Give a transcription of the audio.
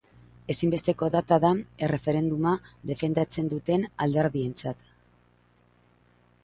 Ezinbesteko data da erreferenduma defendatzen duten alderdientzat.